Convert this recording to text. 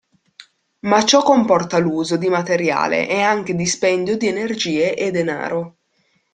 Ma ciò comporta l'uso di materiale e anche dispendio di energie e denaro.